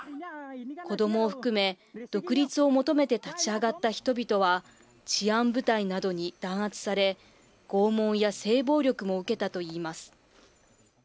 子どもを含め、独立を求めて立ち上がった人々は治安部隊などに弾圧され、拷問や性暴力も受けたといいます。